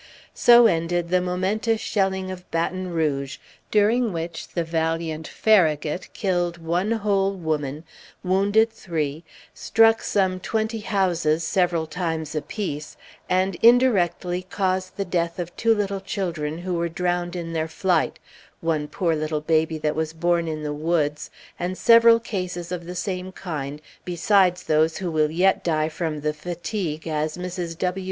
So ended the momentous shelling of Baton Rouge, during which the valiant Farragut killed one whole woman, wounded three, struck some twenty houses several times apiece, and indirectly caused the death of two little children who were drowned in their flight, one poor little baby that was born in the woods, and several cases of the same kind, besides those who will yet die from the fatigue, as Mrs. W. D.